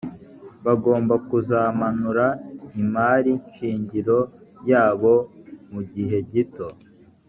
bagomba kuzamura imari shingiro yabo mu gihe gito